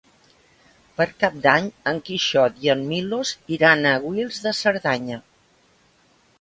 Per Cap d'Any en Quixot i en Milos iran a Guils de Cerdanya.